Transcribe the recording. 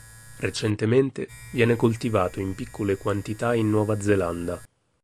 Recentemente, viene coltivato in piccole quantità in Nuova Zelanda.